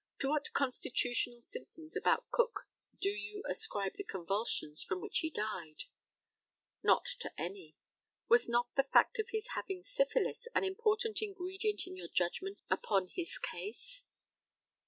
To what constitutional symptoms about Cook do you ascribe the convulsions from which he died? Not to any. Was not the fact of his having syphilis an important ingredient in your judgment upon his case?